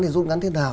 thì rút ngắn thế nào